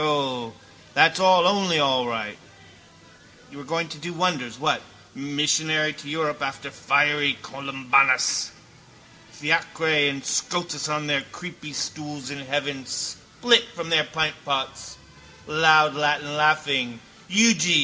O, that's all only all right. You were going to do wonders, what? Missionary to Europe after fiery Columbanus. Fiacre and Scotus on their creepystools in heaven spilt from their pintpots, loudlatinlaughing: _Euge!